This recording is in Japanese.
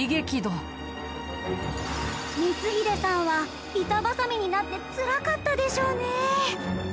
光秀さんは板挟みになってつらかったでしょうね。